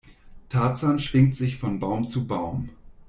Tarzan schwingt sich von Baum zu Baum.